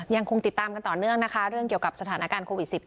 ยังคงติดตามกันต่อเนื่องนะคะเรื่องเกี่ยวกับสถานการณ์โควิด๑๙